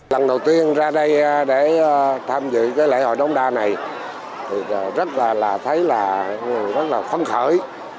lần đầu tiên ra đây để tham dự cái lễ hội đống đa này thì rất là thấy là rất là phấn khởi